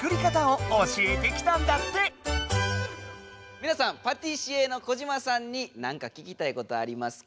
みなさんパティシエの小嶋さんになんか聞きたいことありますか？